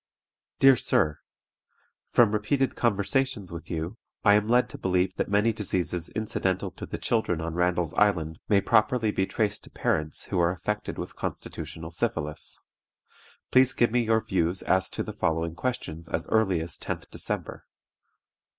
"DEAR SIR, From repeated conversations with you, I am led to believe that many diseases incidental to the children on Randall's Island may properly be traced to parents who are affected with constitutional syphilis. Please give me your views as to the following questions as early as 10th December.